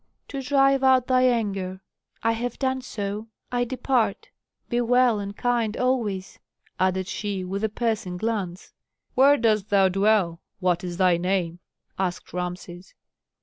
"To drive out thy anger. I have done so, I depart. Be well and kind always," added she, with a piercing glance. "Where dost thou dwell? What is thy name?" asked Rameses.